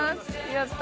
やった。